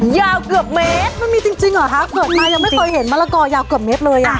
ยาวเกือบเมตรมันมีจริงเหรอคะเกิดมายังไม่เคยเห็นมะละกอยาวเกือบเมตรเลยอ่ะ